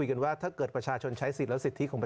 ตอนเวทนี้เดี๋ยวจัดคำนาคต์กรรมการ